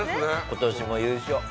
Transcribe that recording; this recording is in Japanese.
今年も優勝。